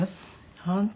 本当？